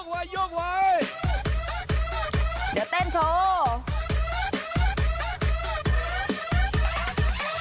เดี๋ยวเต้นโชว์